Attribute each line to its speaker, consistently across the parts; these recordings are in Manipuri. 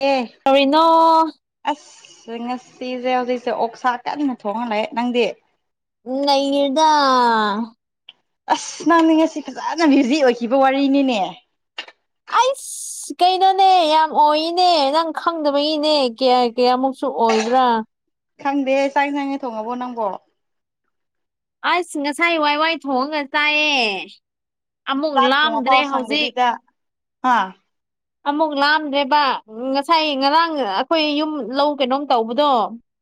Speaker 1: ꯑꯦ
Speaker 2: ꯀꯅꯣ
Speaker 1: ꯑꯁ ꯉꯁꯤꯁꯦ ꯍꯧꯖꯤꯛꯁꯦ ꯑꯣꯛꯁꯥ ꯀꯟꯅ ꯊꯣꯡꯉꯂꯦ ꯅꯪꯗꯤ
Speaker 2: ꯎ ꯂꯩꯗ
Speaker 1: ꯑꯁ ꯅꯥꯡꯅꯤꯡꯉꯁꯤ ꯐꯖꯅ ꯕ꯭ꯌꯨꯖꯤ ꯑꯣꯏꯈꯤꯕ ꯋꯥꯔꯤꯅꯤꯅꯦ
Speaker 2: ꯑꯁ ꯀꯩꯅꯣꯅꯦ ꯌꯥꯝ ꯑꯣꯏꯅꯦ ꯅꯪ ꯈꯪꯗꯕꯒꯤꯅꯦ ꯀꯌꯥ ꯀꯌꯥꯃꯨꯛꯁꯨ ꯑꯣꯏꯕ꯭ꯔ ꯍ
Speaker 1: ꯈꯪꯗꯦ ꯆꯪ ꯆꯉꯩ ꯊꯣꯡꯉꯕꯣ ꯅꯪꯣ
Speaker 2: ꯑꯁ ꯉꯁꯥꯏ ꯋꯥꯏ ꯋꯥꯏ ꯊꯣꯡꯉꯒ ꯆꯥꯛꯑꯦ ꯑꯃꯨꯛ ꯂꯥꯝꯗ꯭ꯔꯦ ꯍꯧꯖꯤꯛ
Speaker 1: ꯍꯥꯥ
Speaker 2: ꯑꯃꯨꯛ ꯂꯥꯑꯝꯗ꯭ꯔꯦꯕ ꯉꯁꯥꯏ ꯉꯔꯥꯡ ꯑꯩꯈꯣꯏ ꯌꯨꯝ ꯂꯧ ꯀꯩꯅꯣꯝ ꯇꯧꯕꯗꯣ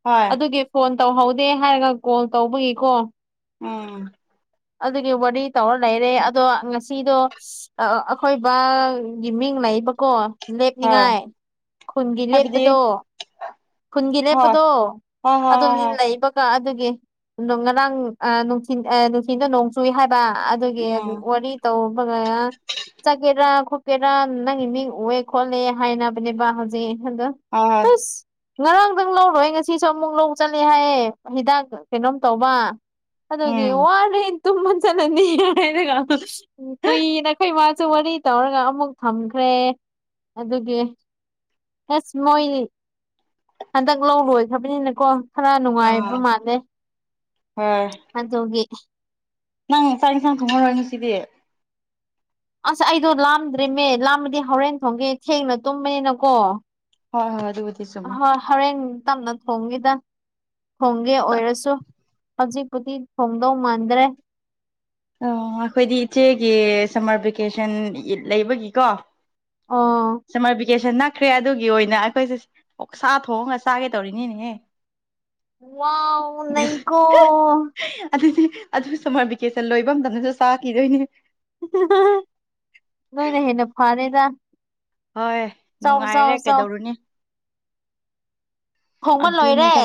Speaker 1: ꯍꯣꯏ
Speaker 2: ꯑꯗꯨꯒꯤ ꯐꯣꯟ ꯇꯧꯍꯧꯗꯦ ꯍꯥꯏꯔꯒ ꯀꯣꯜ ꯇꯧꯕꯒꯤꯀꯣ
Speaker 1: ꯎꯝ
Speaker 2: ꯑꯗꯨꯒꯤ ꯋꯥꯔꯤ ꯇꯧꯔ ꯂꯩꯔꯦ ꯑꯗꯣ ꯉꯁꯤꯗꯣ ꯑꯩꯈꯣꯏꯕꯒꯤ ꯃꯤꯡ ꯍꯥꯏꯕꯀꯣ
Speaker 1: ꯍꯣꯏ
Speaker 2: ꯂꯦꯞꯅꯤꯡꯉꯥꯏ ꯈꯨꯟꯒꯤ
Speaker 1: ꯍꯥꯏꯕꯗꯤ
Speaker 2: ꯂꯦꯞꯄꯗꯣ ꯈꯨꯟꯒꯤ
Speaker 1: ꯍꯣꯏ
Speaker 2: ꯂꯦꯞꯄꯗꯣ
Speaker 1: ꯍꯣꯏ ꯍꯣꯏ ꯍꯣꯏ
Speaker 2: ꯑꯗꯨꯅꯤ
Speaker 1: ꯍꯣꯏ
Speaker 2: ꯂꯩꯕꯒ ꯑꯗꯨꯒꯤ ꯉꯔꯥꯡꯊ ꯅꯨꯡꯊ ꯅꯣꯡ ꯆꯨꯏ ꯍꯥꯏ ꯑꯗꯨꯒꯤ
Speaker 1: ꯎꯝ
Speaker 2: ꯋꯥꯔꯤ ꯇꯧꯕꯒ ꯆꯒꯦꯗ꯭ꯔ ꯀꯦꯔꯥ ꯅꯪꯒꯤ ꯃꯤ ꯎꯑꯦ ꯈꯣꯠꯂꯦ ꯍꯥꯏꯅꯕꯅꯦꯕ ꯍꯧꯖꯤꯛ ꯑꯗꯣ
Speaker 1: ꯍꯣꯏ ꯍꯣꯏ
Speaker 2: ꯑꯁ ꯉꯔꯥꯡꯗꯪ ꯂꯧꯔꯣꯏ ꯑꯩ ꯉꯁꯤꯁꯨ ꯑꯃꯨꯛ ꯂꯧ ꯆꯠꯂꯦ ꯍꯥꯏꯌꯦ ꯍꯤꯗꯥꯛ ꯀꯩꯅꯣꯝ ꯇꯧꯕ ꯑꯗꯨꯒꯤ
Speaker 1: ꯎꯝ
Speaker 2: ꯋꯥꯅ ꯍꯦꯟ ꯇꯨꯝꯃꯟ ꯆꯠꯂꯅꯤ ꯍꯥꯏꯔꯒ ꯀꯨꯏꯅ ꯑꯩꯈꯣꯏ ꯨ ꯋꯥꯔꯤ ꯇꯧꯔꯒ ꯑꯃꯨꯛ ꯊꯝꯈ꯭ꯔꯦ ꯑꯗꯨꯒꯤ ꯑꯁ ꯃꯣꯏꯗꯤ ꯍꯟꯗꯛ ꯂꯧ ꯂꯣꯏꯈ꯭ꯔꯕꯅꯤꯅꯀꯣ ꯈꯔ ꯅꯨꯡꯉꯥꯏꯕ
Speaker 1: ꯑꯥ
Speaker 2: ꯃꯥꯥꯟꯂꯩ
Speaker 1: ꯍꯣꯏ
Speaker 2: ꯑꯗꯒꯦ
Speaker 1: ꯅꯪ ꯆꯥꯛ ꯏꯟꯁꯥꯡ ꯊꯣꯡꯉꯔꯣꯏ ꯁꯤꯗꯤ
Speaker 2: ꯑꯁ ꯑꯩꯗꯣ ꯂꯥꯝꯗ꯭ꯔꯤꯃꯦ ꯂꯥꯃꯗꯤ ꯍꯣꯔꯦꯟ ꯊꯣꯡꯒꯦ ꯊꯦꯡꯅ ꯇꯨꯝꯕꯅꯤꯅꯀꯣ
Speaker 1: ꯍꯣꯏ ꯍꯣꯏ ꯑꯗꯨ
Speaker 2: ꯑꯣꯏ ꯍꯣꯔꯦꯟ ꯇꯝꯅ ꯊꯣꯡꯉꯦꯗ ꯊꯣꯡꯒꯦ ꯑꯣꯏꯔꯁꯨ ꯍꯧꯖꯤꯛꯄꯨꯗꯤ ꯊꯣꯡꯗꯧ ꯃꯥꯟꯗ꯭ꯔꯦ
Speaker 1: ꯑꯣ ꯑꯩꯈꯣꯏꯗꯤ ꯏꯆꯦꯒꯤ ꯁꯝꯃꯔ ꯚꯦꯀꯦꯁꯟ ꯂꯩꯕꯒꯤꯀꯣ
Speaker 2: ꯑꯣ
Speaker 1: ꯁꯔ ꯀꯦꯁꯟ ꯅ ꯆꯠꯈ꯭ꯔꯦ ꯑꯗꯨꯒꯤ ꯑꯣꯏꯅ ꯑꯩꯈꯣꯏꯁꯦ ꯁꯥ ꯊꯣꯡꯉꯒ ꯆꯥꯒꯦ ꯇꯧꯔꯤꯅꯤꯅꯦꯍꯦ
Speaker 2: ꯋꯥ ꯅ ꯀꯣ
Speaker 1: ꯑꯗꯨꯗꯤ ꯑꯗꯨ ꯁꯝꯃꯔ ꯚꯦꯀꯦꯁꯟ ꯂꯣꯏꯕ ꯃꯇꯝꯗꯁꯨ ꯆꯥꯈꯤꯗꯣꯏꯅꯦ
Speaker 2: ꯅꯣꯏꯅ ꯍꯦꯟꯅ ꯐꯥꯔꯦꯗ
Speaker 1: ꯍꯣꯏ ꯅꯨꯡꯉꯥꯏꯔꯦ
Speaker 2: ꯆꯥꯎ
Speaker 1: ꯀꯩꯗꯧꯔꯨꯅꯤ
Speaker 2: ꯈꯣꯡꯕ ꯂꯣꯏꯔꯦ
Speaker 1: ꯑꯗꯨꯅꯦꯗ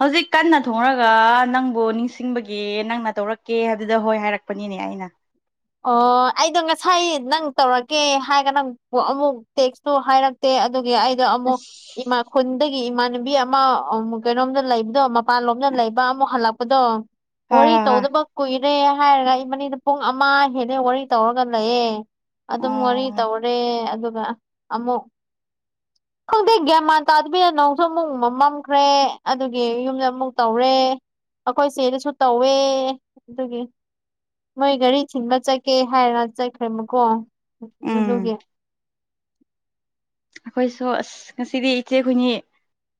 Speaker 1: ꯍꯧꯖꯤꯛ ꯀꯟꯅ ꯊꯣꯡꯔꯒ ꯅꯪꯕꯨ ꯅꯤꯡꯁꯤꯡꯕꯒꯤ ꯅꯪꯅ ꯇꯧꯔꯛꯀꯦ ꯍꯥꯏꯕꯗ ꯍꯣꯏ ꯍꯥꯏꯔꯛꯄꯅꯤꯅꯦ ꯀꯅ
Speaker 2: ꯑꯣ ꯑꯩꯗꯣ ꯉꯁꯥꯏ ꯅꯪ ꯇꯧꯔꯛꯒꯦ ꯍꯥꯏꯔꯒ ꯅꯪ ꯑꯃꯨꯛ ꯇꯦꯛꯁꯇꯨ ꯍꯥꯏꯔꯛꯇꯦ ꯑꯗꯨꯒꯤ ꯑꯩꯗꯣ ꯑꯃꯨꯛ ꯏꯃꯥ
Speaker 1: ꯑꯁ
Speaker 2: ꯈꯨꯟꯗꯒꯤ ꯏꯃꯥ ꯅꯨꯕꯤ ꯑꯃ ꯀꯩꯅꯣꯝꯗ ꯂꯩꯕꯗꯣ ꯃꯄꯥꯟꯂꯣꯝꯗ ꯂꯩꯕ ꯑꯃꯨꯛ ꯍꯜꯂꯛꯄꯗꯣ
Speaker 1: ꯍꯣꯏ
Speaker 2: ꯋꯥꯔꯤ
Speaker 1: ꯍꯣꯏ ꯍꯣꯏ
Speaker 2: ꯇꯧꯗꯕ ꯀꯨꯏꯔꯦ ꯍꯥꯏꯔꯒ ꯏ ꯃꯅꯤꯗ ꯄꯨꯡ ꯑꯃ ꯍꯦꯂ ꯋꯥꯔꯤ ꯇꯧꯔꯒ ꯂꯩꯌꯦ ꯑꯗꯨꯝ ꯋꯥꯔꯤ
Speaker 1: ꯑꯣ
Speaker 2: ꯇꯧꯔꯦ ꯑꯗꯨꯒ ꯑꯃꯨꯛ
Speaker 1: [inaudible]
Speaker 2: ꯈꯪꯗꯦ ꯒ꯭ꯌꯥꯃꯥꯟ ꯇꯥꯗꯕꯤꯗ ꯅꯪꯁꯨ ꯑꯃꯨꯛ ꯃ ꯃꯝꯈ꯭ꯔꯦ ꯑꯗꯨꯒꯤ ꯌꯨꯝꯗ ꯑꯃꯨꯛ ꯇꯧꯔꯦ ꯑꯩꯈꯣꯏ ꯆꯦꯗꯁꯨ ꯇꯧꯋꯦ ꯑꯗꯨꯒꯤ ꯃꯣꯏ ꯘꯔꯤ ꯊꯤꯟꯕ ꯆꯠꯀꯦ ꯍꯥꯏꯔ
Speaker 1: ꯎꯝ
Speaker 2: ꯆꯠꯈ꯭ꯔꯦꯕꯀꯣꯂꯒ
Speaker 1: ꯑꯩꯈꯣꯏꯁꯨ ꯑꯁ ꯉꯁꯤꯗꯤ ꯏꯆꯦ ꯈꯨꯅꯤ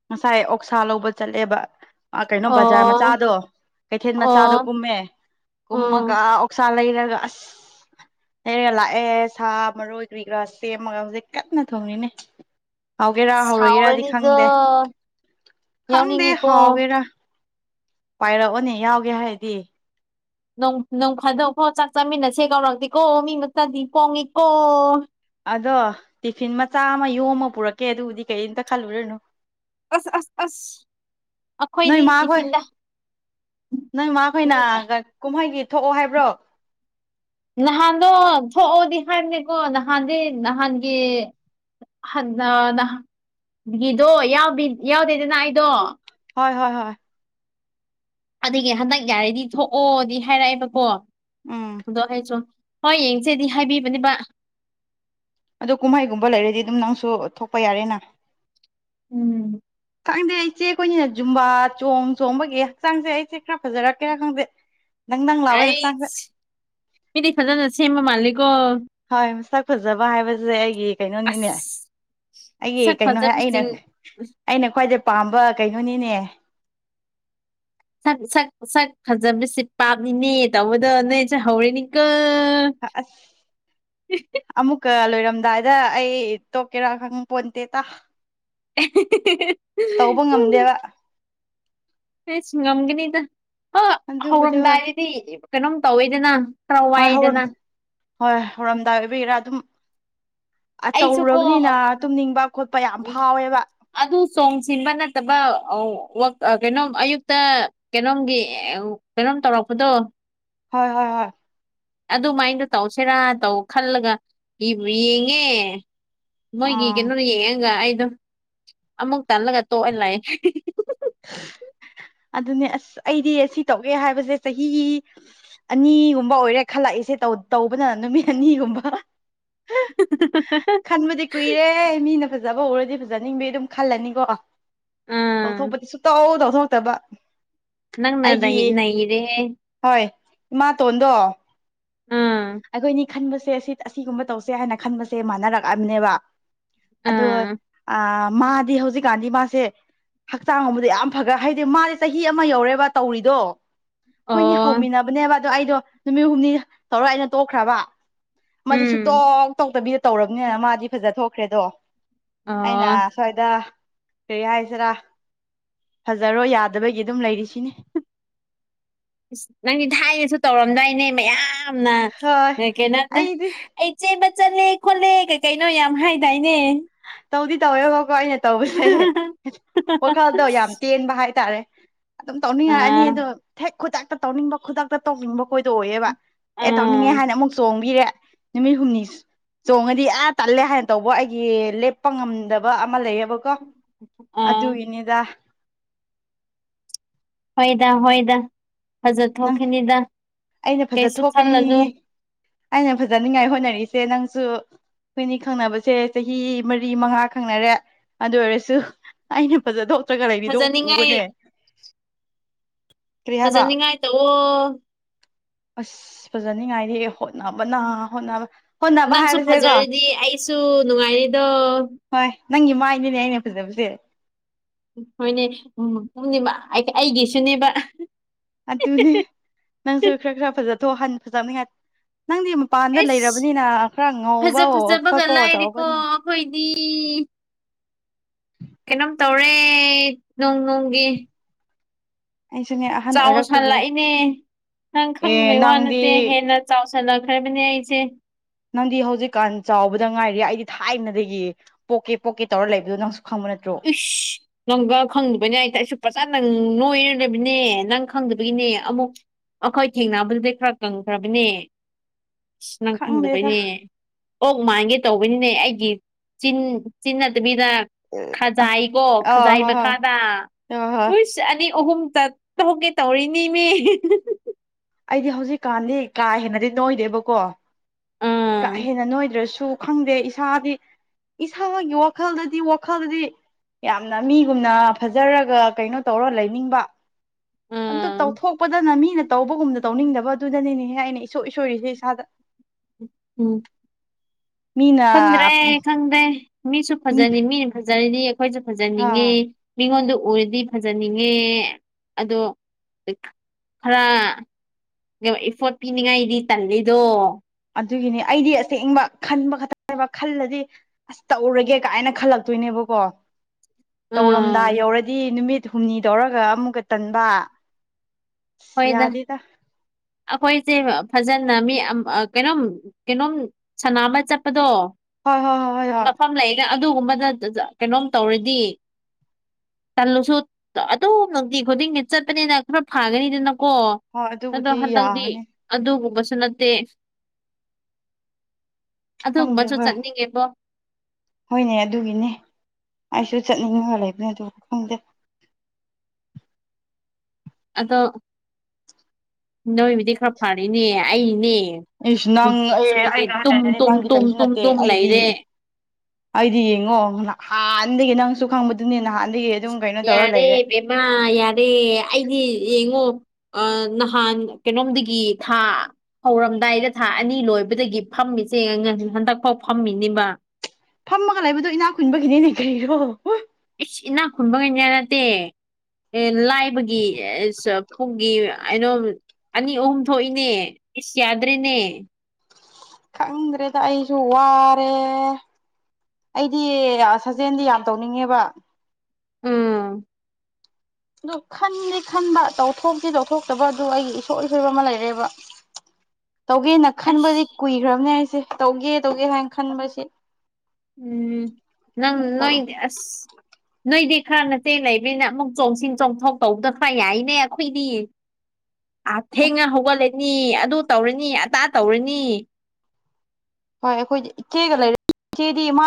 Speaker 1: ꯉꯁꯥꯏ ꯑꯣꯛꯁꯥ ꯂꯧꯕ ꯆꯠꯂꯦꯕ ꯑ ꯀꯩꯅꯣ ꯕꯖꯥꯔ
Speaker 2: ꯑꯣ
Speaker 1: ꯃꯆꯥꯗꯣ ꯀꯩꯊꯦꯜ ꯃꯆꯥꯗꯣ
Speaker 2: ꯑꯣ
Speaker 1: ꯀꯨꯝꯃꯦ ꯀꯨꯝꯃꯒ
Speaker 2: ꯎꯝ
Speaker 1: ꯑꯣꯛꯁꯥ ꯂꯩꯔ ꯒ ꯂꯩꯩꯔꯒ ꯂꯥꯛꯑꯦ ꯁꯥ ꯃꯔꯣꯏ ꯀꯔꯤ ꯀꯔꯥ ꯁꯦꯝꯃꯒ ꯍꯧꯖꯤꯛ ꯀꯟꯅ ꯊꯣꯡꯅꯤꯅꯦ ꯍꯥꯎꯒꯦꯔꯥ ꯍꯧꯔꯣꯏꯒꯦꯔꯗꯤ
Speaker 2: ꯁꯥꯎꯔꯅꯤꯗꯣ
Speaker 1: ꯈꯪꯗꯦ ꯈꯪꯗꯦ
Speaker 2: ꯌꯥꯎꯅꯤꯡꯉꯤꯀꯣ
Speaker 1: ꯍꯥꯎꯒꯦꯔꯥ ꯄꯥꯏꯔꯛꯑꯣꯅꯦ ꯌꯥꯎꯒꯦ ꯍꯥꯏꯗꯤ
Speaker 2: ꯅꯣꯡꯈꯥꯗꯧꯐꯥꯎ ꯆꯥꯛ ꯆꯥꯃꯤꯟꯅꯁꯦ ꯀꯧꯔꯛꯇꯦꯀꯣ ꯃꯤꯃꯛꯇꯗꯤ ꯀꯣꯡꯉꯤꯀꯣ
Speaker 1: ꯑꯗꯣ ꯇꯤꯐꯤꯟ ꯃꯆꯥ ꯑꯃ ꯌꯣꯝꯃ ꯄꯨꯔꯛꯀꯦ ꯑꯗꯨꯕꯨꯗꯤ ꯀꯩꯝꯇ ꯈꯜꯂꯨꯔꯅꯨ
Speaker 2: ꯑꯁ ꯑꯁ ꯑꯁ ꯑꯩꯈꯣꯏꯗꯤ ꯇꯤꯐꯤꯤꯟꯗ
Speaker 1: ꯅꯪ ꯃꯥꯈꯣꯏꯅ ꯀꯨꯝꯍꯩꯒꯤ ꯊꯣꯛꯑꯣ ꯍꯥꯏꯕ꯭ꯔꯣ
Speaker 2: ꯅꯍꯥꯟꯗꯣ ꯊꯣꯛꯑꯣꯗꯤ ꯍꯥꯏꯕꯅꯦꯀꯣ ꯅꯍꯥꯟꯗꯤ ꯅꯍꯥꯟꯒꯤ ꯅꯍꯥꯟꯒꯤꯗꯣ ꯌꯥꯎꯗꯦꯗꯅ ꯑꯩꯗꯣ
Speaker 1: ꯍꯣꯏ ꯍꯣꯏ ꯍꯣꯏ
Speaker 2: ꯑꯗꯨꯗꯒꯤ ꯍꯟꯗꯛ ꯌꯥꯔꯗꯤ ꯊꯣꯛꯑꯣꯗꯤ ꯍꯥꯏꯔꯛꯑꯦꯕꯀꯣ
Speaker 1: ꯎꯝ
Speaker 2: ꯑꯗꯣ ꯑꯩꯁꯨ ꯍꯣꯏ ꯌꯦꯡꯁꯦꯗꯤ ꯍꯥꯏꯕꯤꯕꯅꯦ
Speaker 1: ꯑ ꯀꯨꯝꯍꯩꯒꯨꯝꯕ ꯂꯩꯔꯗꯤ ꯑꯗꯨꯝ ꯅꯪꯁꯨ ꯊꯣꯛꯄ ꯌꯥꯔꯦꯅ
Speaker 2: ꯎꯝ
Speaker 1: ꯈꯪꯗꯦ ꯑꯩꯆꯦ ꯑꯩꯈꯣꯏꯅꯤꯅ ꯖꯨꯝꯕꯥ ꯆꯣꯡ ꯆꯣꯡꯕꯒꯤ ꯍꯛꯆꯥꯡꯁꯦ ꯑꯩꯁꯦ ꯈꯔ ꯐꯖꯔꯛꯀꯦꯔꯥ ꯈꯪꯗꯦ ꯗꯪ ꯗꯪ
Speaker 2: ꯑ
Speaker 1: ꯂꯥꯎꯋꯦ ꯍꯛꯆꯥꯡꯁꯦ
Speaker 2: ꯃꯤ ꯆ ꯁꯦꯃ ꯃꯥꯂ
Speaker 1: ꯍꯣꯏ ꯃꯁꯛ ꯐꯖꯕ ꯍꯥꯏꯕꯁꯦ ꯑꯩ ꯑꯩꯒꯤ
Speaker 2: ꯑꯁ
Speaker 1: ꯀꯩꯅꯣꯅꯤꯅꯦ ꯑꯩꯒꯤ
Speaker 2: ꯁꯛ
Speaker 1: ꯀꯩꯅꯣ ꯑꯩꯅ
Speaker 2: ꯐꯖꯕꯁꯤꯡ
Speaker 1: ꯑꯩꯅ ꯈ꯭ꯋꯥꯏꯗꯩ ꯄꯥꯝꯕ ꯀꯩꯅꯣꯅꯤꯅꯦ
Speaker 2: ꯁꯛ ꯁꯛ ꯐꯖꯕꯁꯤꯦ ꯄꯥꯞꯃꯤꯅꯦ ꯇꯧꯕꯗꯣ ꯅꯣꯏꯁꯦ ꯍꯧꯔꯦꯅꯤꯀꯜ
Speaker 1: ꯑ ꯑꯃꯃꯨꯀ ꯂꯣꯏꯔꯝꯗꯥꯏꯗ ꯑꯩ ꯇꯣꯛꯀꯦꯔꯥ ꯈꯪ ꯄꯣꯟꯇꯦ ꯇ
Speaker 2: ꯎ
Speaker 1: ꯉꯝꯗꯦꯕ
Speaker 2: ꯍꯁꯨ ꯉꯝꯒꯅꯤꯗ ꯑ
Speaker 1: ꯑꯗꯨꯕꯨꯗꯤ ꯍꯣꯏ
Speaker 2: ꯍꯧꯔꯝꯗꯥꯏꯗꯗꯤ ꯀꯩꯅꯣꯝ ꯇꯧꯋꯦꯗꯅ
Speaker 1: ꯍꯣꯏ ꯍꯧꯔꯝ
Speaker 2: ꯀꯔꯋꯥꯏꯗꯅ
Speaker 1: ꯍꯣꯏ ꯍꯧꯔꯝꯗꯥꯏ ꯑꯣꯏꯕꯒꯤꯔꯥ ꯑꯗꯨꯝ
Speaker 2: ꯑꯩꯁꯨ ꯀꯣ
Speaker 1: ꯇꯧꯔꯨꯔꯕꯅꯤꯅ ꯇꯨꯝꯅꯤꯡꯕ ꯈꯣꯠꯄ ꯌꯥꯝ
Speaker 2: ꯎꯝ
Speaker 1: ꯐꯥꯎꯋꯦꯕ
Speaker 2: ꯑꯗꯨ ꯆꯣꯡꯁꯤꯟꯕ ꯅꯠꯇꯕ ꯑ ꯀꯩꯅꯣꯝ ꯑꯌꯨꯛꯇ ꯀꯩꯅꯣꯝꯒꯤ ꯀꯩꯅꯣꯝ ꯇꯧꯔꯛꯄꯗꯣ
Speaker 1: ꯍꯣꯏ ꯍꯣꯏ ꯍꯣꯏ
Speaker 2: ꯑꯗꯨꯃꯥꯏꯅꯗꯣ ꯇꯧꯁꯤꯔꯥ ꯇꯧ ꯈꯜꯂꯒ ꯌꯦꯡꯉꯦ ꯃꯣꯏꯒꯤ
Speaker 1: ꯑꯥ
Speaker 2: ꯀꯩꯅꯣ ꯌꯦꯡꯉꯒ ꯑꯩꯗꯣ ꯑꯃꯨꯛ ꯇꯜꯂꯒ ꯇꯣꯛꯍ ꯂꯥꯛꯑꯦ
Speaker 1: [inaudible] ꯑꯗꯨꯅꯦ ꯑꯁ ꯑꯩꯗꯤ ꯁꯤ ꯇꯧꯒꯦ ꯍꯥꯏꯕꯁꯦ ꯆꯍꯤ ꯑꯅꯤꯒꯨꯝꯕ ꯑꯣꯏꯔꯦ ꯈꯜꯂꯛꯏꯦ ꯏꯁꯦ ꯇꯧꯕꯅ ꯅꯨꯃꯤꯠ ꯑꯅꯤꯒꯨꯝꯕ ꯈꯟꯕꯗꯤ ꯀꯨꯏꯔꯦ ꯃꯤꯅ ꯐꯖꯩ ꯐꯖꯕ ꯎꯔꯗꯤ ꯐꯖꯅꯤꯡꯕ ꯑꯗꯨꯝ ꯈꯜꯂꯅꯤꯀꯣ
Speaker 2: ꯎꯝ
Speaker 1: ꯇꯧꯊꯣꯛꯄꯗꯤ ꯁꯨꯇꯧ ꯇꯧꯊꯣꯛꯇꯕ
Speaker 2: ꯅꯪ ꯅꯔꯦ
Speaker 1: ꯑꯩꯒꯤ ꯍꯣꯏ ꯏꯃꯥꯇꯣꯟꯗꯣ
Speaker 2: ꯑꯥ
Speaker 1: ꯑꯩꯈꯣꯏ ꯈꯟꯕꯁꯦ ꯁꯤ ꯑꯁꯤꯒꯨꯝꯕ ꯇꯧꯁꯦ ꯍꯥꯏꯅ ꯈꯟꯕꯁꯦ ꯃꯥꯟꯅꯔꯛꯑꯕꯅꯦꯕ ꯑꯗꯣ
Speaker 2: ꯑꯥ
Speaker 1: ꯑ ꯃꯥꯗꯤ ꯍꯧꯖꯤꯛꯀꯥꯟꯗꯤ ꯃꯥꯁꯦ ꯍꯛꯆꯥꯡꯒꯨꯝꯕꯗ ꯌꯥꯝ ꯐꯒ ꯍꯥꯏꯗꯤ ꯃꯥꯗꯤ ꯆꯍꯤ ꯑꯃ ꯌꯧꯔꯦꯕ ꯇꯧꯔꯤꯗꯣ ꯑꯩꯈꯣꯏꯅꯤ
Speaker 2: ꯑꯣ
Speaker 1: ꯍꯧꯃꯤꯟꯅꯕꯅꯦꯕ ꯑꯗꯣ ꯑꯩꯗꯣ ꯅꯨꯃꯤꯠ ꯍꯨꯝꯅꯤ ꯇꯧꯔ ꯑꯩꯅ ꯇꯣꯛꯈ꯭ꯔꯕ ꯃꯥ
Speaker 2: ꯎꯝ
Speaker 1: ꯁꯨꯛꯇꯣꯛ ꯇꯧꯇꯕꯤꯗ ꯇꯧꯔꯕꯅꯤꯅ ꯃꯥꯗꯤ ꯐꯖ ꯊꯣꯛꯈ꯭ꯔꯦꯗꯣ ꯑꯩꯅ
Speaker 2: ꯑꯣ
Speaker 1: ꯁ꯭ꯋꯥꯏꯗ ꯀꯔꯤ ꯍꯥꯏꯁꯤꯔꯥ ꯐꯖꯔꯣꯏ ꯌꯥꯗꯕꯒꯤ ꯑꯗꯨꯝ ꯂꯩꯔꯤꯁꯤꯅꯦ
Speaker 2: ꯅꯪꯗꯤ ꯊꯥꯏꯅꯁꯨ ꯇꯧꯔꯝꯗꯥꯏꯅꯦ ꯃꯌꯥꯝ
Speaker 1: ꯍꯣꯏ
Speaker 2: ꯌꯥꯝꯝ ꯀꯦ ꯅ
Speaker 1: ꯑꯩꯗꯤ
Speaker 2: ꯑꯩ ꯆꯠꯂꯦ ꯈꯣꯠꯂꯦ ꯀꯩ ꯀꯩꯅꯣ ꯌꯥꯝ ꯍꯥꯏꯗꯥꯏꯅꯦ
Speaker 1: ꯇꯧꯗꯤ ꯇꯧꯋꯦꯕꯀꯣ ꯑꯩꯅ ꯇꯧꯕꯁꯦ ꯋꯥꯈꯜꯗꯣ ꯌꯥꯝ ꯇꯦꯟꯕ ꯍꯥꯏꯇꯥꯔꯦ ꯑꯗꯨꯝ ꯇꯧꯅꯤꯡꯉꯛꯑꯅꯤ
Speaker 2: ꯑꯥ
Speaker 1: ꯑꯗꯣ ꯍꯦꯛ ꯈꯨꯗꯛꯇ ꯇꯧꯅꯤꯡꯕ ꯈꯨꯗꯛꯇ ꯇꯧꯅꯤꯡꯕ ꯈꯣꯏꯗ ꯑꯣꯏꯑꯕ ꯑꯦ ꯇꯧꯅꯤꯡꯉꯦ
Speaker 2: ꯑꯥ
Speaker 1: ꯍꯥꯏꯅ ꯑꯃꯨꯛ ꯆꯣꯡꯕꯤꯔꯦ ꯅꯨꯃꯤꯠ ꯍꯨꯝꯅꯤ ꯆꯣꯡꯉꯗꯤ ꯑꯥ ꯇꯜꯂꯦ ꯍꯥꯏꯅ ꯇꯧꯕ ꯑꯩꯒꯤ ꯂꯦꯞꯄ ꯉꯝꯗꯕ ꯑꯃ ꯂꯩꯌꯦꯕꯀꯣ
Speaker 2: ꯑꯥ
Speaker 1: ꯑꯗꯨꯒꯤꯅꯤꯗ
Speaker 2: ꯍꯣꯏꯗ ꯍꯣꯏꯗ
Speaker 1: ꯅꯪ
Speaker 2: ꯐꯖꯊꯈꯤꯅꯤꯗ
Speaker 1: ꯑꯩꯅ ꯐꯖ
Speaker 2: ꯀꯩꯁꯨ
Speaker 1: ꯊꯣꯛꯀꯅꯤ
Speaker 2: ꯈꯜꯂꯅꯨ
Speaker 1: ꯑꯩꯅ ꯐꯖꯅꯤꯡꯉꯥꯏ ꯍꯣꯠꯅꯔꯤꯛꯁꯦ ꯅꯪꯁꯨ ꯑꯩꯈꯣꯏꯅꯤ ꯈꯪꯅꯕꯁꯦ ꯆꯍꯤ ꯃꯔꯤ ꯃꯉꯥ ꯈꯪꯅꯔꯦ ꯑꯗꯨ ꯑꯣꯏꯔꯁꯨ ꯑꯩꯅ ꯐꯖꯗꯣꯛꯇ꯭ꯔꯒ ꯂꯩꯕꯤꯗꯣꯛ
Speaker 2: ꯐꯖꯅꯤꯡꯉꯥꯏ
Speaker 1: ꯎꯕꯅꯦ ꯀꯔꯤ ꯍꯥꯏꯕ
Speaker 2: ꯐꯖꯅꯤꯡꯉꯥꯏꯇ ꯑꯣ
Speaker 1: ꯑꯁ ꯐꯖꯅꯤꯡꯉꯥꯏꯗꯤ ꯍꯣꯠꯅꯕꯅ ꯍꯣꯠꯅꯕ ꯍꯣꯠꯅꯕ
Speaker 2: ꯅꯪꯁꯨ
Speaker 1: ꯍꯥꯏꯕꯁꯦꯀꯣ
Speaker 2: ꯐꯖꯔꯤꯗꯤ ꯑꯩꯁꯨ ꯅꯨꯡꯉꯥꯏꯔꯤꯗꯣ
Speaker 1: ꯍꯣꯏ ꯅꯪ ꯏꯃꯥꯏꯗꯨꯅꯦ ꯑꯩꯅ ꯐꯖꯕꯁꯦ
Speaker 2: ꯍꯣꯏꯅꯦ ꯎꯝꯅꯦ ꯑꯩꯒꯤꯁꯨꯅꯦꯕ
Speaker 1: ꯑꯗꯨꯅꯦ ꯅꯪꯁꯨ ꯈꯔ ꯈꯔ ꯐꯖꯊꯣꯛꯍ ꯐꯖꯕꯅꯤꯍ ꯅꯪꯗꯤ ꯃꯄꯥꯟꯗ
Speaker 2: ꯑꯦꯁ
Speaker 1: ꯂꯩꯔꯕꯅꯤꯅ ꯈꯔ ꯉꯧꯕ
Speaker 2: ꯐꯖ ꯐꯖꯕꯒ
Speaker 1: ꯈꯣꯠꯄ
Speaker 2: ꯂꯥꯏꯔꯤꯀꯣ
Speaker 1: ꯇꯧꯔꯛꯄꯅꯦ
Speaker 2: ꯑꯩꯈꯣꯏꯗꯤ ꯀꯩꯅꯣꯝ ꯇꯧꯔꯦ ꯅꯣꯡ ꯅꯣꯡꯒꯤ
Speaker 1: ꯑꯩꯁꯨꯅꯦ ꯑꯍꯟ
Speaker 2: ꯆꯥꯎ
Speaker 1: ꯑꯣꯏꯔꯛꯄꯒꯤꯔ
Speaker 2: ꯁꯥꯟꯂꯛꯏꯅꯦ ꯅꯪ
Speaker 1: ꯑꯦ
Speaker 2: ꯈꯪꯗꯉꯩ ꯋꯥ
Speaker 1: ꯅꯪꯗꯤ
Speaker 2: ꯅꯠꯇꯦ ꯍꯦꯟꯅ ꯆꯥꯎ ꯆꯠꯂꯈꯔꯦꯕꯅꯦ ꯑꯩꯁꯦ
Speaker 1: ꯅꯪꯗꯤ ꯍꯧꯖꯤꯛꯀꯥꯟ ꯆꯥꯎꯕꯗ ꯉꯥꯏꯔꯤ ꯑꯩꯗꯤ ꯊꯥꯏꯅꯗꯒꯤ ꯄꯣꯛꯀꯦ ꯄꯣꯛꯀꯦ ꯇꯧꯔ ꯂꯩꯕꯗꯣ ꯅꯪ
Speaker 2: ꯏꯁ ꯉꯪꯒ ꯈꯪꯗꯕꯅꯤ ꯍꯥꯏꯇ ꯑꯩꯁꯨ ꯐꯖꯅ ꯅꯪ ꯅꯣꯏꯅ ꯂꯩꯕꯅꯦ ꯅꯪ ꯈꯪꯗꯕꯒꯤꯅꯦ ꯑꯃꯨꯛ ꯑꯩꯈꯣꯏ ꯊꯦꯡꯅꯕꯗꯨꯗꯤꯩ ꯈꯔ ꯀꯪꯈ꯭ꯔꯕꯅꯦ ꯑꯁ ꯅꯪ
Speaker 1: ꯈꯪꯗꯦꯗ
Speaker 2: ꯈꯪꯗꯕꯩꯅꯦ ꯑꯣ ꯃꯥꯟꯒꯦ ꯇꯧꯕꯅꯤꯅꯦ ꯑꯩꯒꯤ ꯆꯤꯟ ꯆꯤ ꯅꯠꯇꯕꯤꯗ ꯈꯖꯥꯏ ꯀꯣ
Speaker 1: ꯑꯥ
Speaker 2: ꯈꯖꯥꯏ
Speaker 1: ꯍꯣꯏ ꯍꯣꯏ
Speaker 2: ꯃꯈꯥꯗ
Speaker 1: ꯍꯣꯏ ꯍꯣꯏ
Speaker 2: ꯍꯨꯏꯁ ꯑꯅꯤ ꯑꯍꯨꯝ ꯆꯠꯠꯇꯧꯒꯦ ꯇꯧꯔꯤꯅꯦꯅꯦ
Speaker 1: ꯑꯩꯗꯤ ꯍꯧꯖꯤꯛꯀꯥꯟꯗꯤ ꯀꯥ ꯍꯦꯟꯅꯗꯤ ꯅꯣꯏꯗꯦꯕꯀꯣ ꯀꯥ
Speaker 2: ꯑꯥ
Speaker 1: ꯍꯦꯟꯅ ꯅꯣꯏꯗ꯭ꯔꯁꯨ ꯈꯪꯗꯦ ꯏꯁꯥꯗꯤ ꯏꯁꯥꯒꯤ ꯋꯥꯈꯜꯗꯗꯤ ꯋꯥꯈꯜꯗꯗꯤ ꯌꯥꯝꯅ ꯃꯤꯒꯨꯝꯅ ꯐꯖꯔꯒ ꯀꯩꯅꯣ ꯇꯧꯔꯣ ꯂꯩꯅꯤꯡꯕ ꯑꯗꯨ
Speaker 2: ꯑꯥ
Speaker 1: ꯇꯧꯊꯣꯛꯄꯗꯅ ꯃꯤꯅ ꯇꯕꯒꯨꯝꯗ ꯇꯧꯅꯤꯡꯗꯕ ꯑꯗꯨꯗꯅꯤꯅꯦꯍꯦ ꯑꯩꯅ ꯏꯁꯣꯛ ꯏꯁꯣꯏꯔꯤꯁꯦ ꯏꯁꯥꯗ
Speaker 2: ꯎꯝ
Speaker 1: ꯃꯤꯅ
Speaker 2: ꯈꯪꯗ꯭ꯔꯦ ꯈꯪꯗ꯭ꯔꯦ ꯃꯤꯁꯨ ꯐꯖꯅꯤ ꯃꯤꯅ ꯐꯖꯔꯤꯅꯤ ꯑꯩꯈꯣꯏꯁꯨ
Speaker 1: ꯑ
Speaker 2: ꯐꯖꯅꯤꯡꯉꯤ ꯃꯤꯉꯣꯟꯗ ꯑꯣꯏꯔꯗꯤ ꯐꯖꯅꯤꯡꯉꯦ ꯑꯗꯣ ꯈꯔ ꯏꯐꯣꯔ ꯄꯤꯅꯤꯡꯉꯥꯏꯗꯤ ꯇꯜꯂꯤꯗꯣ
Speaker 1: ꯑꯗꯨꯒꯤꯅꯤ ꯑꯩꯗꯤ ꯑꯁꯦꯡꯕ ꯈꯟꯕ ꯈꯛꯇꯅꯦꯕ ꯈꯜꯂꯗꯤ ꯑꯁ ꯇꯧꯔꯒꯦ ꯀꯥꯏꯅ ꯈꯜꯂꯛꯇꯣꯏꯅꯦꯕ ꯀꯣ
Speaker 2: ꯎꯝ
Speaker 1: ꯇꯧꯔꯝꯗꯥꯏ ꯌꯧꯔꯗꯤ ꯅꯨꯃꯤꯠ ꯍꯨꯝꯅꯤ ꯇꯧꯔꯒ ꯑꯃꯨꯛꯀ ꯇꯟꯕ ꯑꯁ
Speaker 2: ꯍꯣꯏꯗ
Speaker 1: ꯌꯥꯗꯦꯗ
Speaker 2: ꯑꯩꯈꯣꯏ ꯁꯦ ꯐꯖꯅ ꯃꯤ ꯀꯩꯅꯣꯝ ꯀꯩꯅꯣꯝ ꯁꯅꯥꯃ ꯆꯠꯄꯗꯣ
Speaker 1: ꯍꯣꯏ ꯍꯣꯏ ꯍꯣꯏ ꯍꯣꯏ ꯍꯣꯏ
Speaker 2: ꯑꯗꯨꯒꯨꯝꯕꯅ ꯀꯩꯅꯣꯝ ꯇꯧꯔꯗꯤ ꯇꯜꯂꯨꯁꯨ ꯑꯗꯨ ꯅꯨꯡꯇꯤ ꯈꯨꯗꯤꯡꯒꯤ ꯆꯠꯄꯅꯤꯅ ꯈꯔ ꯐꯥꯒꯅꯤ ꯀꯣ
Speaker 1: ꯍꯣꯏ
Speaker 2: ꯑꯗꯣ
Speaker 1: ꯑꯗꯨꯕꯨꯗꯤ
Speaker 2: ꯍꯟꯗꯛꯗꯤ
Speaker 1: ꯌꯥꯔꯅꯤ
Speaker 2: ꯑꯗꯨꯒꯨꯝꯕ ꯅꯠꯇ
Speaker 1: ꯈꯪꯗꯦ ꯍꯣꯏ ꯍꯣꯏꯅꯦ ꯑꯗꯨꯒꯤꯅꯦ ꯑꯩꯁꯨ ꯆꯠꯅꯤꯡꯉꯕ ꯂꯩꯕꯅꯦ ꯑꯗꯨꯕꯨ ꯈꯪꯗꯦ
Speaker 2: ꯑꯗꯣ ꯅꯣꯏꯕꯨꯗꯤ ꯈꯔ ꯐꯔꯅꯦ ꯑꯩꯅꯦ
Speaker 1: ꯏꯁ
Speaker 2: ꯨꯦ
Speaker 1: ꯅꯪ
Speaker 2: ꯇ
Speaker 1: ꯑꯩ
Speaker 2: ꯇ
Speaker 1: ꯑꯩꯒ
Speaker 2: ꯇꯨꯝ
Speaker 1: ꯍꯥꯏꯔꯗꯤ ꯅꯪꯗꯤ ꯀꯩꯁꯨ
Speaker 2: ꯇꯨꯝ
Speaker 1: ꯅꯠꯇꯦ
Speaker 2: ꯇꯨꯝ
Speaker 1: ꯑꯩꯗꯤ
Speaker 2: ꯂꯩꯔꯦ
Speaker 1: ꯑꯩꯗꯤ ꯌꯦꯡꯉꯣ ꯍꯥꯟꯗꯒꯤ ꯅꯪꯁꯨ ꯈꯪꯕꯗꯨꯅꯤ ꯅꯍꯥꯟ
Speaker 2: ꯌꯥꯔꯦ ꯕꯦꯝꯃꯥ ꯌꯥꯔꯦ ꯑꯩꯗꯤ ꯌꯦꯡꯉꯣ ꯑ ꯅꯍꯥꯟ ꯀꯩꯅꯣꯝꯗꯒꯤ ꯊꯥ ꯍꯧꯔꯝꯗꯥꯏꯗ ꯊꯥ ꯑꯅꯤ ꯂꯣꯏꯕꯗꯒꯤ ꯐꯝꯃꯤꯁꯦ ꯍꯟꯗꯛ ꯐꯥꯎ ꯐꯝꯃꯤꯅꯤꯕ
Speaker 1: ꯐꯝꯃꯒ ꯂꯩꯕꯗꯣ ꯏꯅꯥꯛ ꯀꯨꯟꯕꯒꯤꯅꯦꯅꯦ ꯀꯔꯣ
Speaker 2: ꯑꯩꯁ ꯏꯅꯥꯛ ꯈꯨꯟꯕ ꯉꯩꯩꯅ ꯅꯠꯇꯦ ꯂꯥꯏꯕꯒꯤ ꯄꯨꯡꯒꯤ ꯀꯩꯅꯣꯝ ꯑꯅꯤ ꯑꯍꯨꯝ ꯊꯣꯛꯏꯅꯦ ꯏꯁ ꯌꯥꯗ꯭ꯔꯦꯅꯦ
Speaker 1: ꯈꯪꯗ꯭ꯔꯦꯗ ꯑꯩꯁꯨ ꯋꯥꯔꯦ ꯑꯩꯗꯤ ꯁꯥꯖꯦꯟꯗꯤ ꯌꯥꯝ ꯇꯧꯅꯤꯡꯉꯦꯕ
Speaker 2: ꯎꯝ
Speaker 1: ꯑꯗꯨ ꯈꯟꯗꯤꯦ ꯈꯟꯕ ꯇꯧꯊꯣꯛꯇꯤ ꯇꯧꯊꯣꯛꯇꯕ ꯑꯗꯨ ꯑꯩꯒꯤ ꯏꯁꯣꯛ ꯏꯣꯏꯕ ꯑꯃ ꯂꯩꯔꯦꯕ ꯇꯧꯒꯦꯅ ꯈꯟꯕꯗꯤ
Speaker 2: ꯑꯁ
Speaker 1: ꯀꯨꯏꯈ꯭ꯔꯕꯅꯦ ꯍꯥꯏꯁꯦ ꯇꯧꯒꯦ ꯇꯧꯒꯦ ꯍꯥꯏꯅ ꯈꯟꯕꯁꯤ
Speaker 2: ꯎꯝ ꯅꯪ ꯅꯣꯏ
Speaker 1: ꯍꯣꯏ
Speaker 2: ꯑ ꯅꯣꯏꯗ ꯈꯔ ꯅꯆꯦ ꯂꯩꯕꯅ ꯑꯃꯨꯛ ꯆꯣꯡꯁꯤꯟ ꯆꯣꯡꯊꯣꯛ ꯇꯧꯕꯗ ꯈꯔ ꯌꯥꯏꯅꯦ ꯑꯩꯈꯣꯏꯗꯤ ꯑ ꯊꯦꯡꯅ ꯍꯧꯒꯠꯂꯅꯤ ꯑꯗꯨ ꯇꯧꯔꯅꯤ ꯑꯇꯥ ꯇꯧꯔꯅꯤ
Speaker 1: ꯍꯣꯏ ꯑꯩꯈꯣꯏꯗꯤ ꯏꯆꯦꯒ ꯂꯩꯔ ꯏꯆꯦꯗꯤ ꯃꯥ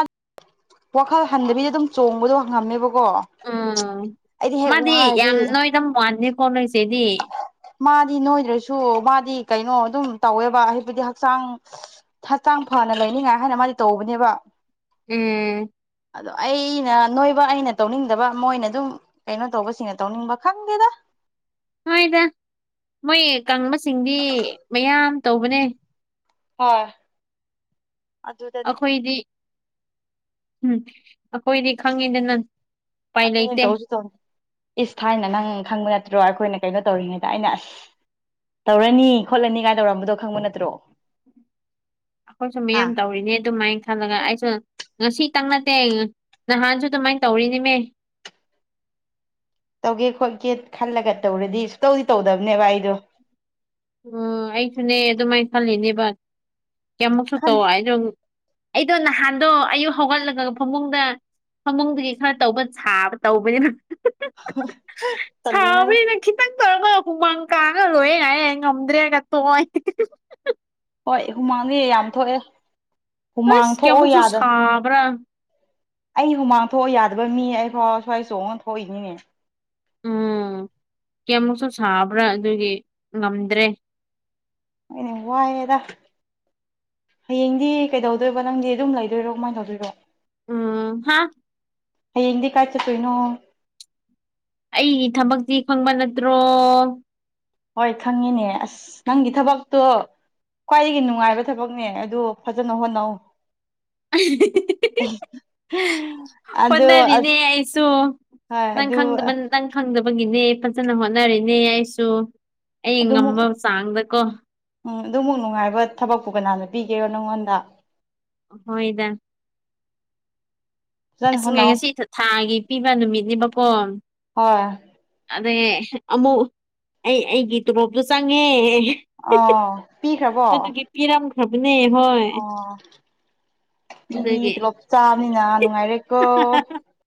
Speaker 1: ꯋꯥꯈꯜ ꯍꯟꯗꯕꯤꯗ ꯑꯗꯨꯝ ꯆꯣꯡꯕꯗꯣ ꯍꯪꯉꯝꯃꯦꯕꯀꯣ
Speaker 2: ꯎꯝ ꯃꯥꯗꯤ
Speaker 1: ꯋꯥꯔꯗꯤ
Speaker 2: ꯌꯥꯝ ꯅꯣꯏꯗꯝ ꯋꯥꯅꯤꯦꯀꯣ ꯅꯣꯏꯁꯦꯗꯤ
Speaker 1: ꯃꯥꯗꯤ ꯅꯣꯏꯗ꯭ꯔꯁꯨ ꯃꯥꯗꯤ ꯀꯩꯅꯣ ꯑꯗꯨꯝ ꯇꯧꯋꯦꯕ ꯍꯥꯏꯕꯗꯤ ꯍꯛꯆꯥꯡ ꯍꯛꯆꯥꯡ ꯐ ꯍꯥꯟꯅ ꯂꯩꯅꯤꯡꯉꯥꯏ ꯍꯥꯏꯅ ꯃꯥꯗꯤ ꯇꯧꯕꯅꯦꯕ
Speaker 2: ꯎꯝ
Speaker 1: ꯑꯗꯣ ꯑꯩꯅ ꯅꯣꯏꯕ ꯑꯩꯅ ꯇꯧꯅꯤꯡꯗꯕ ꯃꯣꯏꯅ ꯑꯗꯨꯝ ꯀꯩꯅꯣ ꯇꯧꯕꯁꯤꯡꯅ ꯇꯧꯅꯤꯡꯕ ꯈꯪꯗꯦꯗ [unintelligible]
Speaker 2: ꯍꯣꯏꯗ ꯃꯣꯏ ꯀꯥꯡꯪꯕꯁꯤꯡꯗꯤ ꯃꯌꯥꯝ ꯇꯧꯕꯅꯦ
Speaker 1: ꯍꯣꯏ ꯑꯗꯨ ꯑꯗꯨꯗꯅꯦ
Speaker 2: ꯑꯩꯈꯣꯏꯗꯤ ꯎꯝ ꯑꯩꯈꯣꯏꯗꯤ ꯈꯪꯉꯤꯗ ꯅꯪ
Speaker 1: ꯑꯗꯨꯅꯦ ꯇꯧꯁꯨ ꯇꯧꯅꯤ ꯏꯁ ꯊꯥꯏꯅ ꯅꯪ ꯈꯪꯕ ꯅꯠꯇ ꯑꯣ ꯑꯩꯈꯣꯏꯅ ꯀꯩꯅꯣ ꯇꯧꯔꯤꯉꯩꯗ ꯑꯩꯅ ꯑꯁ ꯇꯧꯔꯅꯤ ꯈꯣꯠꯂꯅꯤ ꯀꯥꯏꯅ ꯇꯧꯔꯝꯕꯗꯣ ꯈꯪꯕ ꯅꯠꯇ꯭ꯔꯣ
Speaker 2: ꯑꯩꯈꯣꯏꯁꯨ
Speaker 1: ꯍꯥ
Speaker 2: ꯃꯌꯥꯝ ꯇꯧꯔꯤꯅꯦ ꯑꯗꯨꯃꯥꯏꯅ ꯈꯜꯂꯒ ꯑꯩꯁꯨ ꯉꯁꯤꯇꯪ ꯅꯠꯇꯦ ꯅꯍꯥꯟꯁꯨ ꯑꯗꯨꯃꯥꯏꯅ ꯇꯧꯔꯤꯅꯤꯃꯦ
Speaker 1: ꯇꯧꯒꯦ ꯈꯣꯠꯀꯦ ꯈꯜꯂꯒ ꯇꯧꯔꯗꯤ ꯁꯨꯛꯇꯧꯗꯤ ꯇꯧꯗꯕꯅꯦꯕ ꯑꯩꯗꯣ
Speaker 2: ꯑꯣ ꯑꯩꯁꯨꯅꯦ ꯑꯗꯨꯃꯥꯏꯅ ꯈꯜꯂꯤꯅꯦꯕ ꯀꯌꯥꯃꯨꯛꯁꯨ
Speaker 1: ꯈꯟ
Speaker 2: ꯇꯧ ꯍꯥꯏꯗꯣ ꯑꯩꯗꯣ ꯅꯍꯥꯟꯗꯣ ꯑꯌꯨꯛ ꯍꯧꯒꯠꯂꯒ ꯐꯃꯨꯡꯗ ꯐꯃꯨꯡꯗꯨꯒꯤ ꯈꯔ ꯇꯧꯕ ꯁꯥꯕ ꯇꯧꯕꯅꯤꯅ
Speaker 1: ꯆꯃꯦ
Speaker 2: ꯇꯧꯔꯈꯣꯏ ꯍꯨꯃꯪ ꯀꯥꯡꯉ ꯂꯣꯏꯦ ꯉꯥꯏ ꯉꯝꯗ꯭ꯔꯦꯒ ꯇꯣꯏ
Speaker 1: ꯍꯣꯏ ꯍꯨꯃꯥꯡꯗꯤ ꯌꯥꯝ ꯊꯣꯛꯑꯦ ꯍꯨꯃꯥꯡ
Speaker 2: ꯑꯁ
Speaker 1: ꯊꯣꯛꯑꯣ
Speaker 2: ꯀꯌꯥꯃꯨꯛꯁꯨ
Speaker 1: ꯌꯥꯗ꯭ꯔ
Speaker 2: ꯁꯥꯕ꯭ꯔꯥ
Speaker 1: ꯑꯩ ꯍꯨꯃꯥꯡ ꯊꯣꯛꯑ ꯌꯥꯗꯕ ꯃꯤ ꯑꯩꯐꯥꯎ ꯁ꯭ꯋꯥꯏ ꯆꯣꯡꯉ ꯊꯣꯛꯏꯅꯤꯅꯦ
Speaker 2: ꯎꯝ ꯀꯌꯥꯃꯨꯛꯁꯨ ꯁꯥꯕ꯭ꯔꯥ ꯑꯗꯨꯒꯤ ꯉꯝꯗ꯭ꯔꯦ
Speaker 1: ꯑꯩꯅ ꯋꯥꯑꯗ ꯍꯌꯦꯡꯗꯤ ꯀꯩꯗꯧꯗꯣꯏꯕ ꯅꯪꯗꯤ ꯑꯗꯨꯝ ꯂꯩꯗꯣꯏꯔꯣ ꯀꯃꯥꯏꯅ ꯇꯧꯗꯣꯏꯔꯣ
Speaker 2: ꯎꯝ ꯍꯥ
Speaker 1: ꯌꯦꯤ ꯀꯥꯏ ꯆ ꯄꯩꯅꯨ
Speaker 2: ꯑꯩꯒꯤ ꯊꯕꯛꯇꯤ ꯈꯪꯕ ꯅꯠꯇ꯭ꯔꯣ
Speaker 1: ꯍꯣꯏ ꯈꯪꯉꯤꯅꯦ ꯑꯁ ꯅꯪꯒꯤ ꯊꯕꯛꯇꯣ ꯈ꯭ꯋꯥꯏꯗꯒꯤ ꯅꯨꯡꯉꯥꯏꯕ ꯊꯕꯛꯅꯦ ꯑꯗꯨ ꯐꯖꯅ ꯍꯣꯠꯅꯧ
Speaker 2: ꯑ [unintelligible] [inaudible]
Speaker 1: ꯑꯗꯨ
Speaker 2: ꯍꯣꯠꯅꯔꯤꯅꯦ ꯑꯩꯁꯨ
Speaker 1: ꯍꯣꯏ ꯑꯗꯨ
Speaker 2: ꯅꯪꯕ ꯅꯪ ꯈꯪꯗꯕꯒꯤꯅꯦ ꯐꯖꯅ ꯍꯣꯠꯅꯔꯤꯅꯦ ꯑꯩꯁꯨ ꯑꯩ
Speaker 1: ꯑꯗꯨꯃꯨꯛ
Speaker 2: ꯉꯝꯕ ꯆꯥꯡꯗꯀꯣ
Speaker 1: ꯎꯝ ꯑꯗꯨꯃꯨꯛ ꯅꯨꯡꯉꯥꯏꯕ ꯊꯕꯛꯄꯨ ꯀꯅꯥꯅꯣ ꯄꯤꯒꯦꯔꯣ ꯅꯪꯉꯣꯟꯗ
Speaker 2: ꯍꯣꯏꯗ
Speaker 1: ꯐꯖꯅ
Speaker 2: ꯑꯁ
Speaker 1: ꯍꯣꯠꯅꯧ
Speaker 2: ꯉꯁꯤ ꯊꯥꯒꯤ ꯄꯤꯕ ꯅꯨꯃꯤꯠꯅꯦꯕꯀꯣ
Speaker 1: ꯍꯣꯏ
Speaker 2: ꯑꯗ ꯑꯃꯨꯛ ꯑꯩ ꯑꯩꯒꯤ ꯇꯣꯂꯣꯞꯇꯨ ꯆꯪꯉꯦ
Speaker 1: ꯑ ꯄꯤꯈ꯭ꯔꯕꯣ
Speaker 2: ꯑꯗꯨꯒꯤ ꯄꯤꯔꯝꯈ꯭ꯔꯕꯅꯦ ꯍꯣꯏ
Speaker 1: ꯑ ꯃꯤꯗꯤ
Speaker 2: ꯑꯗꯨꯒꯤ
Speaker 1: ꯄꯨꯂꯞ ꯆꯥꯕꯅꯤꯅ ꯅꯨꯡꯉꯥꯏꯔꯦꯀꯣ